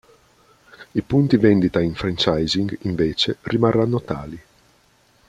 I punti vendita in franchising, invece, rimarranno tali.